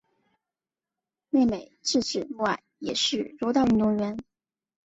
妹妹志志目爱也是柔道运动员。